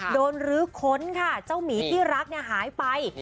โดนลื้อค้นค่ะเจ้ามีที่รักเนี่ยหายไป